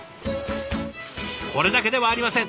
これだけではありません。